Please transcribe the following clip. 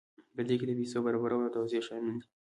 په دې کې د پیسو برابرول او توزیع شامل دي.